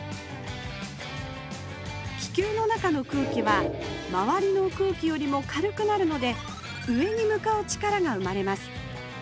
気球の中の空気は周りの空気よりも軽くなるので上に向かう力が生まれます。